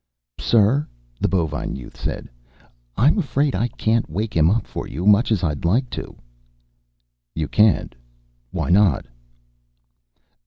"Sir," the bovine youth said, "I'm afraid I can't wake him up for you, much as I'd like to." "You can't? Why not?"